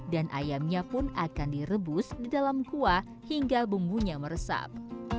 dan ayamnya pun akan direbus di dalam kuah hingga bumbunya meresap